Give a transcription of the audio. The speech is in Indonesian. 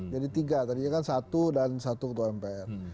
jadi tiga tadinya kan satu dan satu ketua mpr